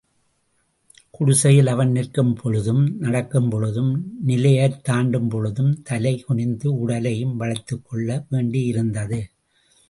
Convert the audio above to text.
குடிசையில் அவன் நிற்கும் பொழுதும், நடக்கும் பொழுதும், நிலையைத் தாண்டும் பொழுதும் தலை குனிந்து, உடலையும் வளைத்துக்கொள்ள வேண்டியிருந்தது!